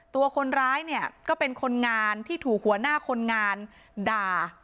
ตัวคนร้ายเนี่ยก็เป็นคนงานที่ถูกหัวหน้าคนงานด่า